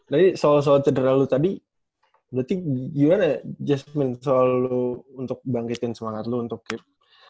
jadi soal soal cedera lu tadi berarti gimana jasmine soal lu untuk bangkitin semangat lu untuk kayak